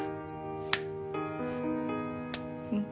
うん。